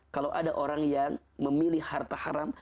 kalau ada orang yang memilih harta haram